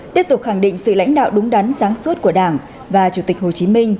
tiếp tục khẳng định sự lãnh đạo đúng đắn sáng suốt của đảng và chủ tịch hồ chí minh